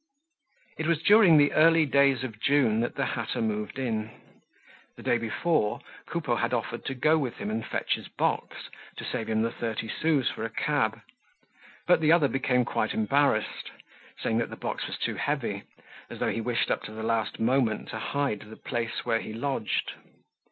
It was during the early days of June that the hatter moved in. The day before, Coupeau had offered to go with him and fetch his box, to save him the thirty sous for a cab. But the other became quite embarrassed, saying that the box was too heavy, as though he wished up to the last moment to hide the place where he lodged.